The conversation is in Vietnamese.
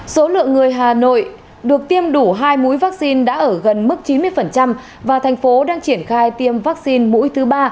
số lượng người hà nội được tiêm đủ hai mũi vaccine đã ở gần mức chín mươi và thành phố đang triển khai tiêm vaccine mũi thứ ba